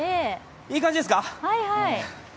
いい感じですか。